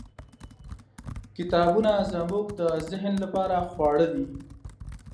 . کتابونه زموږ د ذهن لپاره خواړه دي.